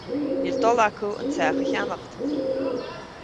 Níl dul acu an teach a cheannach.